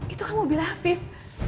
itu kan mobil afif